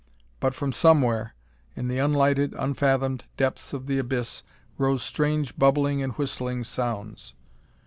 But from somewhere in the unlighted, unfathomed depths of the abyss rose strange bubbling and whistling sounds.